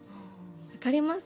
分かります？